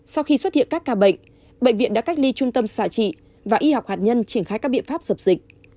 sau khi xuất hiện các ca bệnh bệnh viện đã cách ly trung tâm xạ trị và y học hạt nhân triển khai các biện pháp dập dịch